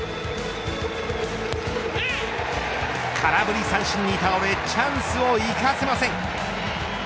空振り三振に倒れチャンスを生かせません。